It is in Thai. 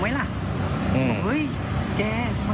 อาจารย์จะเอกกรุงไหมละ